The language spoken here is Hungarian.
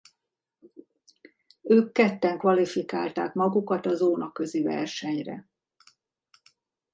Ők ketten kvalifikálták magukat a zónaközi versenyre.